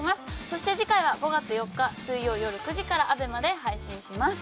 そして次回は５月４日水曜よる９時からＡＢＥＭＡで配信します。